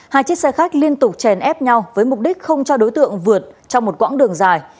hai chiếc xe khách liên tục chèn ép nhau với mục đích không cho đối tượng vượt trong một quãng đường dài